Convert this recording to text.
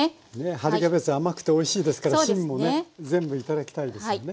春キャベツ甘くておいしいですから芯もね全部頂きたいですよね。